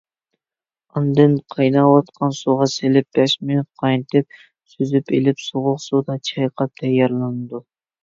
ئاندىن قايناۋاتقان سۇغا سېلىپ بەش مىنۇت قاينىتىپ، سۈزۈپ ئېلىپ سوغۇق سۇدا چايقاپ تەييارلىنىدۇ.